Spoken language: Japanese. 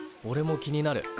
おれも気になる。